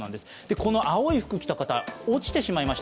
この青い服を着た方、落ちてしまいました。